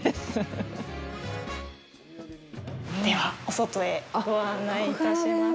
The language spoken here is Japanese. では、お外へご案内いたします。